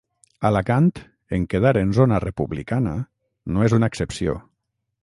Alacant, en quedar en zona republicana, no és una excepció.